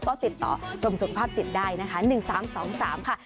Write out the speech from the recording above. ก็ติดต่อกรมสุขภาพจิตได้นะคะ๑๓๒๓ค่ะ